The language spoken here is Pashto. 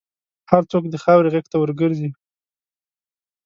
هر څوک د خاورې غېږ ته ورګرځي.